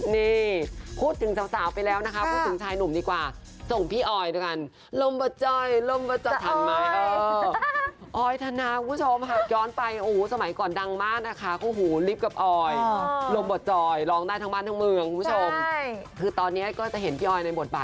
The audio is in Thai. นี่พูดถึงสาวไปแล้วนะคะพูดถึงชายหนุ่มดีกว่า